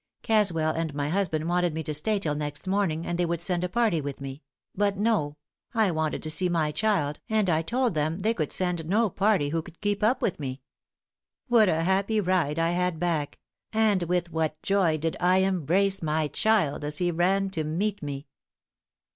Caswell and my husband wanted me to stay till next morning and they would send a party with me; but no! I wanted to see my child, and I told them they could send no party who could keep up with me. What a happy ride I had back! and with what joy did I embrace my child as he ran to meet me!"